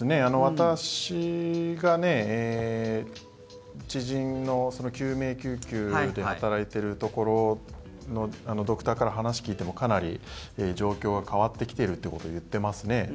私が知人の救命救急で働いているところのドクターから話を聞いてもかなり状況が変わってきていると言っていますね。